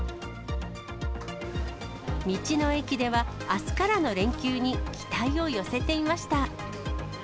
道の駅ではあすからの連休に期待を寄せていました。